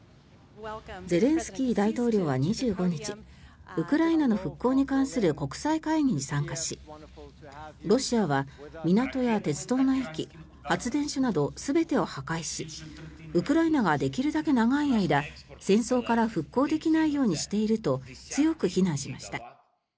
ゼレンスキー大統領は２５日ウクライナの復興に関する国際会議に参加しロシアは港や鉄道の駅発電所など全てを破壊しウクライナができるだけ長い間戦争から復興できないようにしていると強く非難しました。